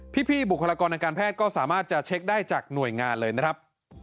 พี่บุคลากรทางการแพทย์ก็สามารถจะเช็คได้จากหน่วยงานเลยนะครับ